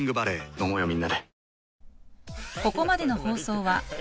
飲もうよみんなで。